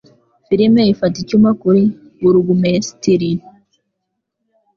Filime ifata icyuma kuri burugumesitiri.